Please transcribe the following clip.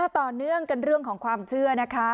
ต่อเนื่องกันเรื่องของความเชื่อนะคะ